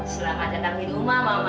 silahkan datang di rumah mama